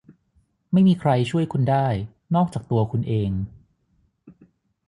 ไม่มีใครช่วยคุณได้นอกจากตัวคุณเอง